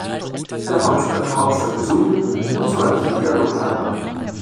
Ich werde Hauptstadt für Hauptstadt besuchen und so an diesem Dialog teilhaben.